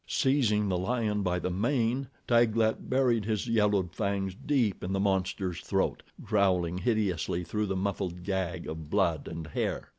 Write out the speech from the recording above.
Seizing the lion by the mane, Taglat buried his yellowed fangs deep in the monster's throat, growling hideously through the muffled gag of blood and hair.